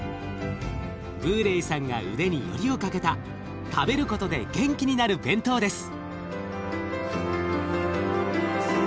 ブーレイさんが腕によりをかけた食べることで元気になる弁当です。